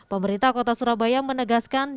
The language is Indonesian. pemerintah kota surabaya menegaskan